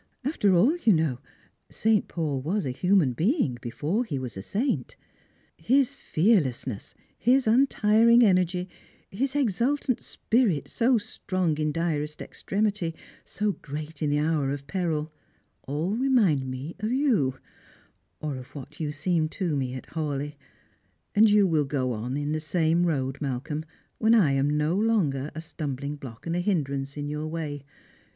After all, you know, St. Paul was a human being before he was a saint. His fearlessness, his untiring energy, his exultant spirit, so strong in direst extremity, so great in the hour of peril, all remind mf of you — or of what you seemed to me at Hawleigh. And yoi will go on in the same road, Malcolm, when I am no longer a stumbling block and a hindrance in yoTir way.